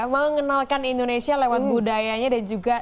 mengenalkan indonesia lewat budayanya